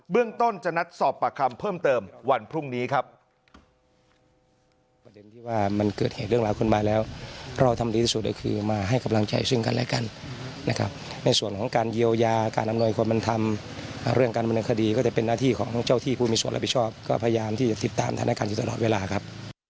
เรื่องต้นจะนัดสอบปากคำเพิ่มเติมวันพรุ่งนี้ครับ